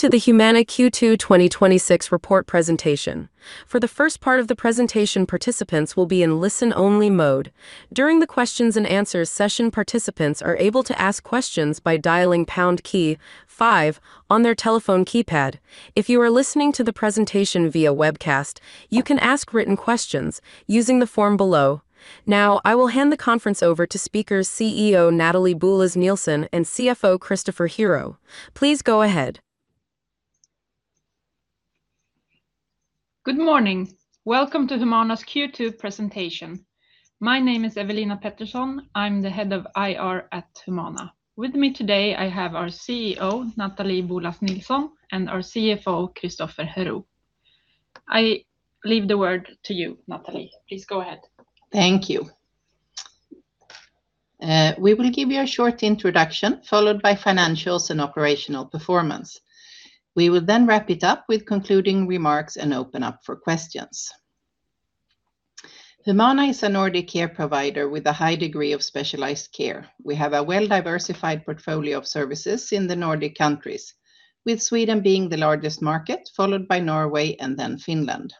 To the Humana Q2 2026 report presentation. For the first part of the presentation, participants will be in listen-only mode. During the questions and answers session, participants are able to ask questions by dialing pound key five on their telephone keypad. If you are listening to the presentation via webcast, you can ask written questions using the form below. I will hand the conference over to speakers, CEO Nathalie Boulas Nilsson and CFO Christoffer Herou. Please go ahead. Good morning. Welcome to Humana's Q2 presentation. My name is Ewelina Pettersson. I am the Head of IR at Humana. With me today, I have our CEO, Nathalie Boulas Nilsson, and our CFO, Christoffer Herou. I leave the word to you, Nathalie. Please go ahead. Thank you. We will give you a short introduction, followed by financials and operational performance. We will then wrap it up with concluding remarks and open up for questions. Humana is a Nordic care provider with a high degree of specialized care. We have a well-diversified portfolio of services in the Nordic countries, with Sweden being the largest market, followed by Norway and then Finland.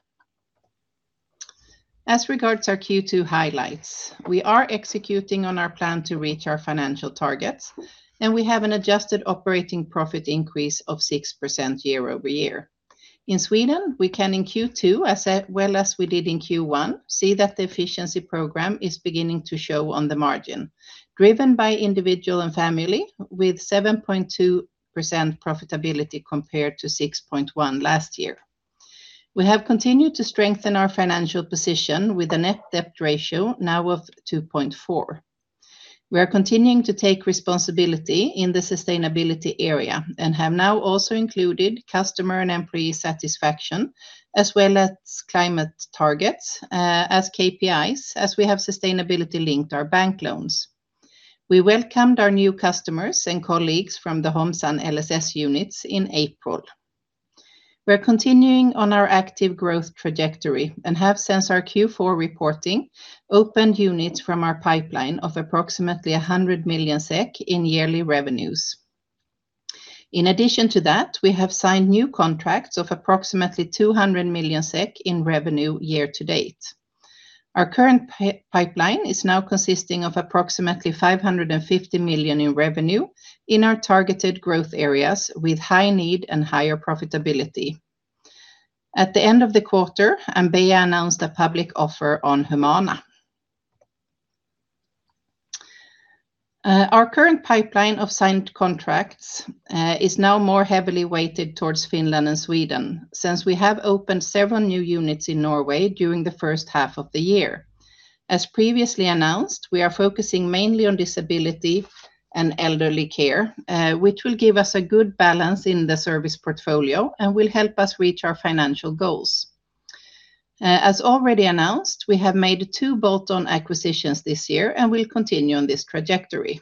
As regards our Q2 highlights, we are executing on our plan to reach our financial targets, and we have an adjusted operating profit increase of 6% year-over-year. In Sweden, we can in Q2, as well as we did in Q1, see that the efficiency program is beginning to show on the margin, driven by Individual & Family, with 7.2% profitability compared to 6.1% last year. We have continued to strengthen our financial position with a net debt ratio now of 2.4x. We are continuing to take responsibility in the sustainability area and have now also included customer and employee satisfaction, as well as climate targets as KPIs, as we have sustainability-linked our bank loans. We welcomed our new customers and colleagues from the Homsan LSS units in April. We are continuing on our active growth trajectory and have, since our Q4 reporting, opened units from our pipeline of approximately 100 million SEK in yearly revenues. In addition to that, we have signed new contracts of approximately 200 million SEK in revenue year to date. Our current pipeline is now consisting of approximately 550 million in revenue in our targeted growth areas with high need and higher profitability. At the end of the quarter, Ambea announced a public offer on Humana. Our current pipeline of signed contracts is now more heavily weighted towards Finland and Sweden, since we have opened several new units in Norway during the first half of the year. As previously announced, we are focusing mainly on disability and elderly care, which will give us a good balance in the service portfolio and will help us reach our financial goals. As already announced, we have made two bolt-on acquisitions this year, and we'll continue on this trajectory.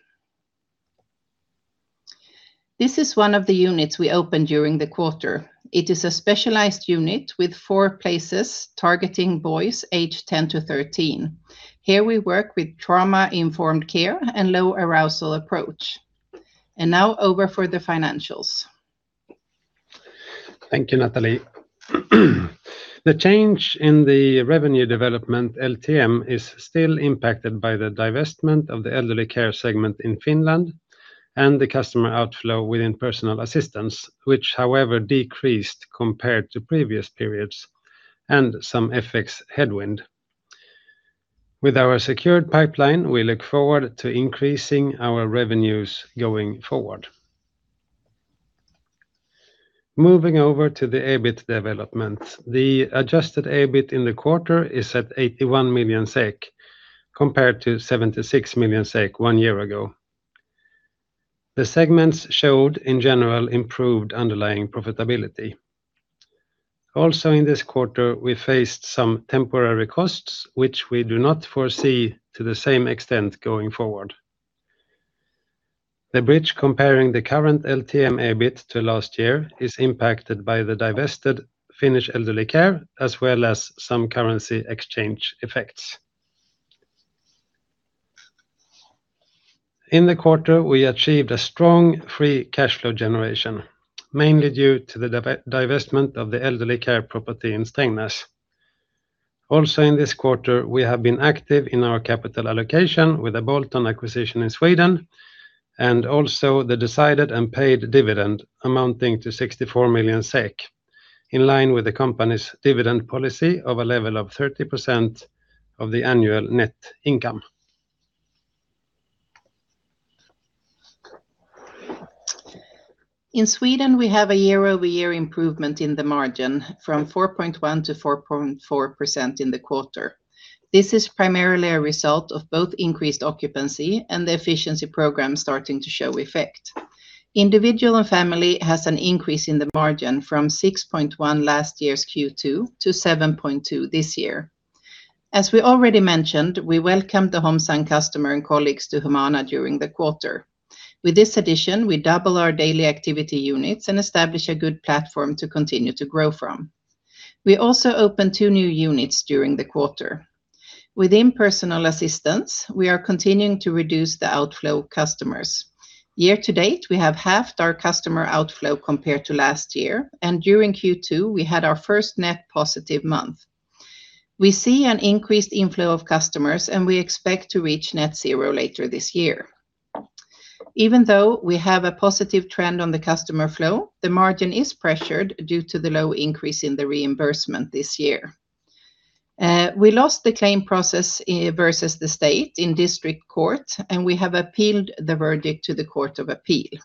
This is one of the units we opened during the quarter. It is a specialized unit with four places targeting boys aged 10-13. Here we work with trauma-informed care and low arousal approach. Now over for the financials. Thank you, Nathalie. The change in the revenue development LTM is still impacted by the divestment of the elderly care segment in Finland and the customer outflow within personal assistance, which however decreased compared to previous periods and some FX headwind. With our secured pipeline, we look forward to increasing our revenues going forward. Moving over to the EBIT development. The adjusted EBIT in the quarter is at 81 million SEK compared to 76 million SEK one year ago. The segments showed, in general, improved underlying profitability. Also in this quarter, we faced some temporary costs, which we do not foresee to the same extent going forward. The bridge comparing the current LTM EBIT to last year is impacted by the divested Finnish elderly care, as well as some currency exchange effects. In the quarter, we achieved a strong free cash flow generation, mainly due to the divestment of the elderly care property in Strängnäs. Also in this quarter, we have been active in our capital allocation with a bolt-on acquisition in Sweden, and also the decided and paid dividend amounting to 64 million SEK, in line with the company's dividend policy of a level of 30% of the annual net income. In Sweden, we have a year-over-year improvement in the margin from 4.1% to 4.4% in the quarter. This is primarily a result of both increased occupancy and the efficiency program starting to show effect. Individual & Family has an increase in the margin from 6.1% last year's Q2 to 7.2% this year. As we already mentioned, we welcomed the Homsan customer and colleagues to Humana during the quarter. With this addition, we double our daily activity units and establish a good platform to continue to grow from. We also opened two new units during the quarter. Within personal assistance, we are continuing to reduce the outflow of customers. Year to date, we have halved our customer outflow compared to last year, and during Q2, we had our first net positive month. We see an increased inflow of customers. We expect to reach net zero later this year. Even though we have a positive trend on the customer flow, the margin is pressured due to the low increase in the reimbursement this year. We lost the claim process versus the state in district court, and we have appealed the verdict to the Court of Appeal.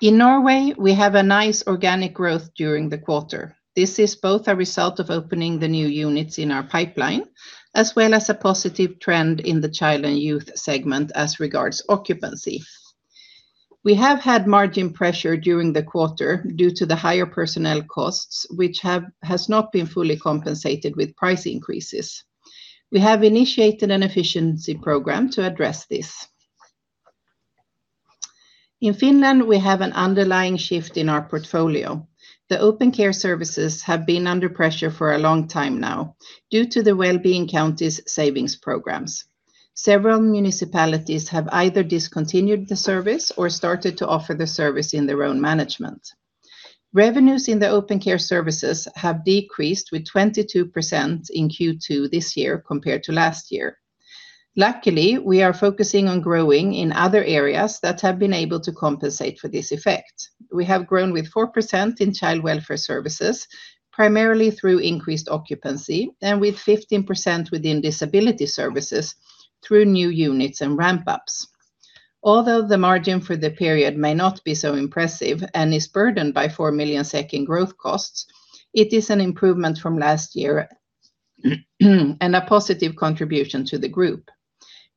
In Norway, we have a nice organic growth during the quarter. This is both a result of opening the new units in our pipeline as well as a positive trend in the child and youth segment as regards occupancy. We have had margin pressure during the quarter due to the higher personnel costs, which has not been fully compensated with price increases. We have initiated an efficiency program to address this. In Finland, we have an underlying shift in our portfolio. The open care services have been under pressure for a long time now due to the wellbeing counties' savings programs. Several municipalities have either discontinued the service or started to offer the service in their own management. Revenues in the open care services have decreased with 22% in Q2 this year compared to last year. We are focusing on growing in other areas that have been able to compensate for this effect. We have grown with 4% in child welfare services, primarily through increased occupancy, and with 15% within disability services through new units and ramp-ups. The margin for the period may not be so impressive and is burdened by 4 million in growth costs, it is an improvement from last year and a positive contribution to the group.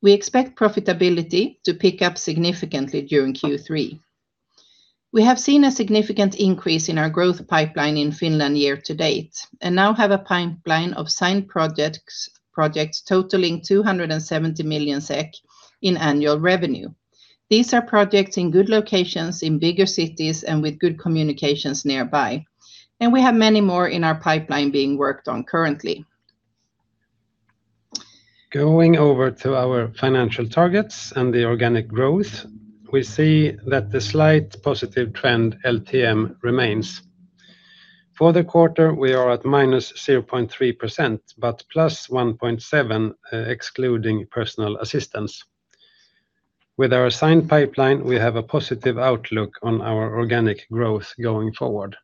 We expect profitability to pick up significantly during Q3. We have seen a significant increase in our growth pipeline in Finland year to date and now have a pipeline of signed projects totaling 270 million SEK in annual revenue. These are projects in good locations in bigger cities and with good communications nearby. We have many more in our pipeline being worked on currently. Going over to our financial targets and the organic growth, we see that the slight positive trend LTM remains. For the quarter, we are at -0.3%, but +1.7% excluding personal assistance. With our assigned pipeline, we have a positive outlook on our organic growth going forward.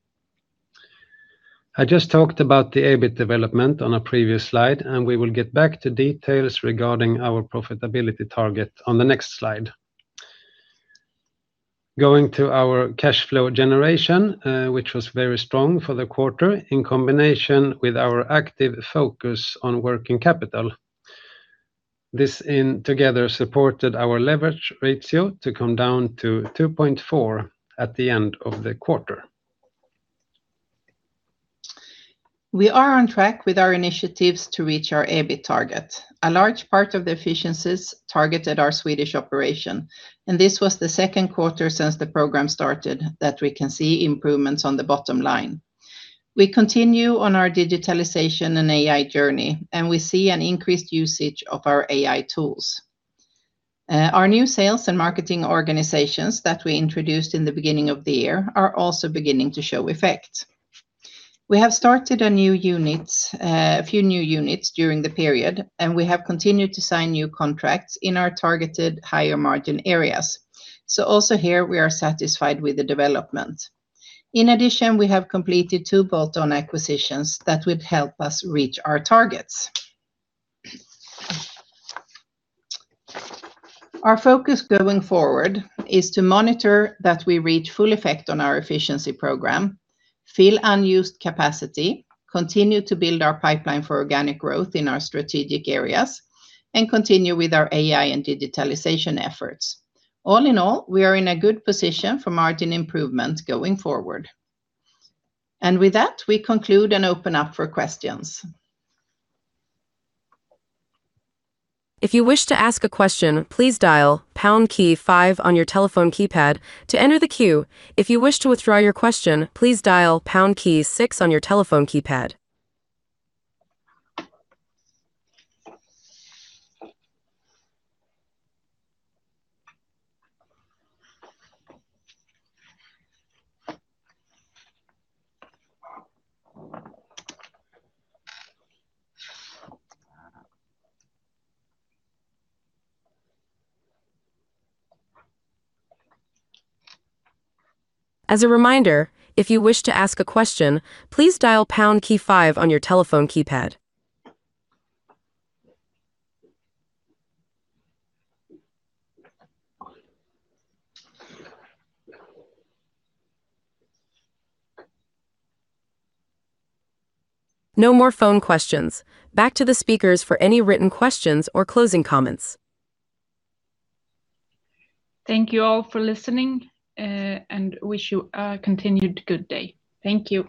I just talked about the EBIT development on a previous slide. We will get back to details regarding our profitability target on the next slide. Going to our cash flow generation, which was very strong for the quarter in combination with our active focus on working capital. This together supported our leverage ratio to come down to 2.4x at the end of the quarter. We are on track with our initiatives to reach our EBIT target. A large part of the efficiencies targeted our Swedish operation, and this was the second quarter since the program started that we can see improvements on the bottom line. We continue on our digitalization and AI journey, and we see an increased usage of our AI tools. Our new sales and marketing organizations that we introduced at the beginning of the year are also beginning to show effect. We have started a few new units during the period, and we have continued to sign new contracts in our targeted higher-margin areas. Also here we are satisfied with the development. In addition, we have completed two bolt-on acquisitions that will help us reach our targets. Our focus going forward is to monitor that we reach full effect on our efficiency program, fill unused capacity, continue to build our pipeline for organic growth in our strategic areas, and continue with our AI and digitalization efforts. All in all, we are in a good position for margin improvements going forward. With that, we conclude and open up for questions. If you wish to ask a question, please dial pound key five on your telephone keypad to enter the queue. If you wish to withdraw your question, please dial pound key six on your telephone keypad. As a reminder, if you wish to ask a question, please dial pound key five on your telephone keypad. No more phone questions. Back to the speakers for any written questions or closing comments. Thank you all for listening, wish you a continued good day. Thank you